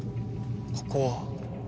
ここは。